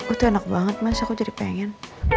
itu enak banget mas aku jadi pengen